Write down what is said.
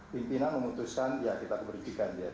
pimpinan memutuskan ya kita keberhentikan dia